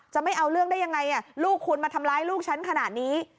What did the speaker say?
ไม่เอาเรื่องได้ยังไงลูกคุณมาทำร้ายลูกฉันขนาดนี้